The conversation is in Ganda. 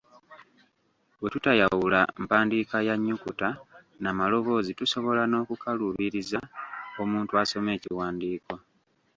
Bwe tutayawula mpandiika ya nnyukuta na malowoozi tusobola n’okukaluubiriza omuntu asoma ekiwandiiko.